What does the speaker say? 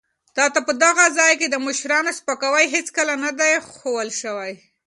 تا ته په دغه ځای کې د مشرانو سپکاوی هېڅکله نه دی ښوول شوی.